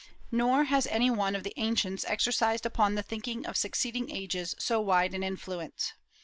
Nor has any one of the ancients exercised upon the thinking of succeeding ages so wide an influence.